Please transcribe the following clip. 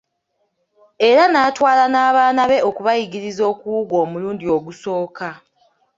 Era n'atwala n'abaana be okubayigiriza okuwuga omulundi ogusooka.